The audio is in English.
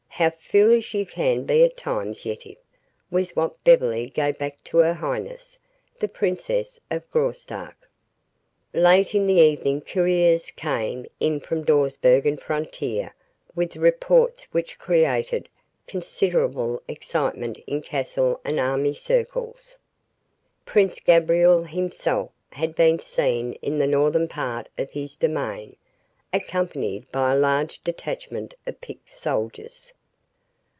How foolish you can be at times, Yetive," was what Beverly gave back to her highness, the Princess of Graustark. Late in the evening couriers came in from the Dawsbergen frontier with reports which created considerable excitement in castle and army circles. Prince Gabriel himself had been seen in the northern part of his domain, accompanied by a large detachment of picked soldiers.